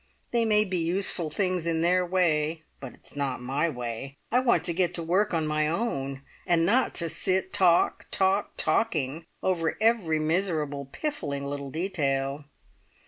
They may be useful things in their way, but it's not my way. I want to get to work on my own, and not to sit talk, talk, talking over every miserable, piffling little detail.